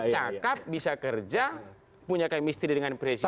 cakep bisa kerja punya kemistri dengan presiden